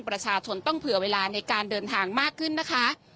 ประชาชนต้องเผื่อเวลาในการเดินทางมากขึ้นนะคะ